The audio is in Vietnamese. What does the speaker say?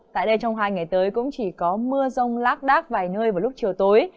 tại đây trong hai ngày tới cũng chỉ có mưa rông lác đác vài nơi vào lúc chiều tối